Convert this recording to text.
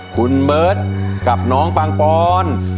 คุณเบิร์ตกับน้องปังปอน